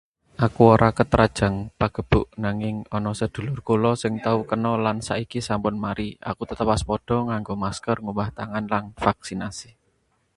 Aku ora ketrajang pagebluk. Nanging ana sedulur kula sing tau kena lan saiki sampun mari. Aku tetep waspada: nganggo masker, ngumbah tangan, lan vaksinasi.